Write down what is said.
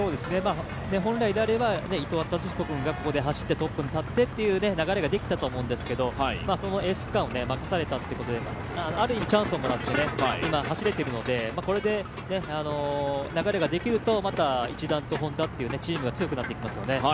本来であれば伊藤達彦君がここで走ってトップに立ってという流れができたと思うんですけれども、エース区間を任されたということで、ある意味チャンスをもらって今、走れているのでこれで流れができるとまた一段とＨｏｎｄａというチームが強くなってきますよね。